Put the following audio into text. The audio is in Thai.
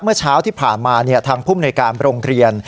เมื่อเช้าที่ผ่านมาเนี้ยทางผู้มนุยการโรงเรียน